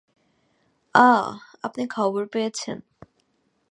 অহ, আপনি খবর পেয়ছেন।